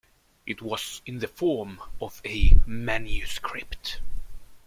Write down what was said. It was in the form of a manuscript.